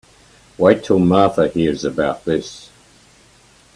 Wait till Martha hears about this.